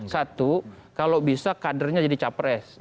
satu kalau bisa kadernya jadi capres